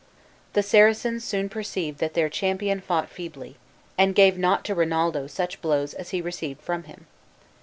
The Saracens soon perceived that their champion fought feebly, and gave not to Rinaldo such blows as he received from him.